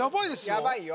やばいよ